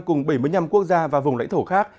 cùng bảy mươi năm quốc gia và vùng lãnh thổ khác